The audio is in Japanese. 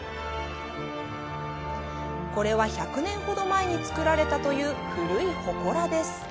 これは、１００年ほど前に作られたという古いほこらです。